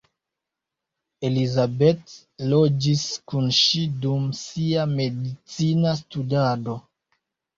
Elizabeth loĝis kun ŝi dum sia medicina studado.